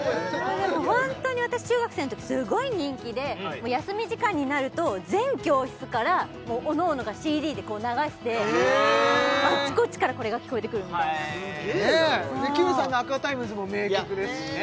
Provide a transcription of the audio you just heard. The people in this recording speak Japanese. ホントに私中学生のときすごい人気で休み時間になると全教室からおのおのがＣＤで流してあっちこっちからこれが聞こえてくるみたいなきむさんのＡｑｕａＴｉｍｅｚも名曲ですしね